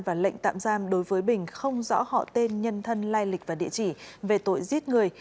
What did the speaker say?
và lệnh tạm giam đối với bình không rõ họ tên nhân thân lai lịch và địa chỉ về tội giết người